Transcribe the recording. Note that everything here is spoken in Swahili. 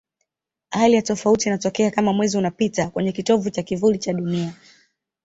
Hali ya tofauti inatokea kama Mwezi unapita kwenye kitovu cha kivuli cha Dunia.